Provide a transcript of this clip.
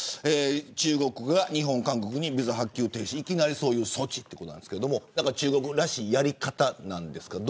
中国が日本、韓国にビザ発給停止いきなりそういう措置ですが中国らしいやり方ですか。